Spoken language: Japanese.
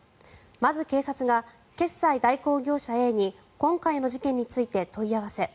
まず警察が決済代行業者Ａに今回の事件について問い合わせ